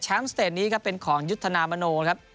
แชมป์สเตรดนี้เป็นของยุทธนาบาโน